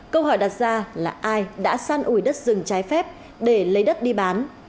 câu hỏi đặt ra là ai đã săn ủi đất rừng trái phép để lấy đất đi bán